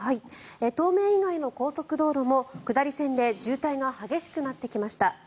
東名以外の高速道路も下り線で渋滞が激しくなってきました。